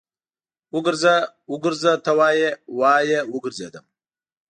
وګرځه، وګرځه ته وايې، وايه وګرځېدم